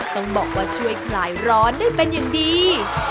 ต้องบอกว่าช่วยคลายร้อนได้เป็นอย่างดี